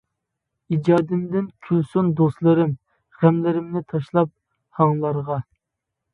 ئىجادىمدىن كۈلسۇن دوستلىرىم غەملىرىنى تاشلاپ ھاڭلارغا.